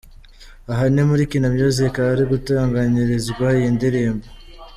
Aha ni muri Kina Music ahari gutunganyirizwa iyi ndirimbo.